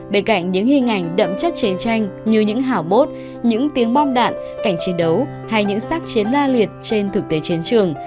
bên cạnh những hình ảnh đậm chất chiến tranh như những hảo bốt những tiếng bom đạn cảnh chiến đấu hay những sát chiến la liệt trên thực tế chiến trường